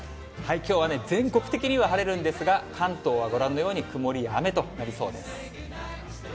きょうはね、全国的には晴れるんですが、関東はご覧のように曇りや雨となりそうです。